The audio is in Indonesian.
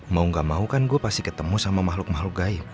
mau gak mau kan gua pasti ketemu sama mahluk mahluk gaib